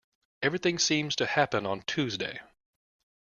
Everything seems to happen on Tuesday.